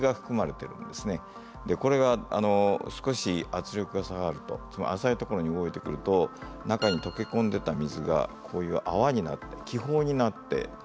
これが少し圧力が下がると浅いところに動いてくると中に溶け込んでた水がこういう泡になって気泡になって出てくるんです。